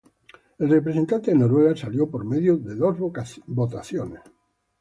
El representante de Noruega salió por medio de dos votaciones.